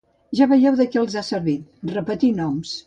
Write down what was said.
Ja veieu de què els ha servit, repetir noms.